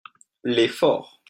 les forts.